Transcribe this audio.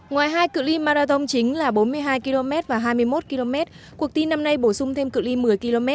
ngoài hai cự li marathon chính là bốn mươi hai km và hai mươi một km cuộc thi năm nay bổ sung thêm cự li một mươi km